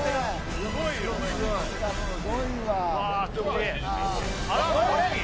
すごいな。